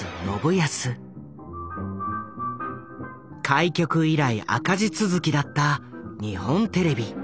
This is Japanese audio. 開局以来赤字続きだった日本テレビ。